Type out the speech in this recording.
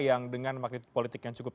yang dengan magnet politik yang cukup